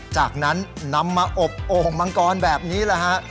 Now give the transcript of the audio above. จากนั้นนำมาอบโอ่งมังกรแบบนี้แหละฮะ